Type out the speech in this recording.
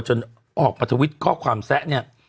จนออกมาทวิตข้อความแซะเนี่ย